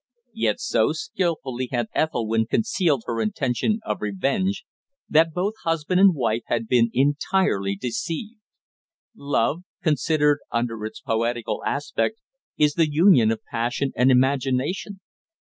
Yet so skilfully had Ethelwynn concealed her intention of revenge that both husband and wife had been entirely deceived. Love, considered under its poetical aspect, is the union of passion and imagination.